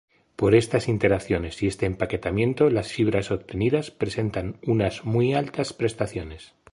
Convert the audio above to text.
Por estas interacciones y este empaquetamiento, las fibras obtenidas presentan unas muy altas prestaciones.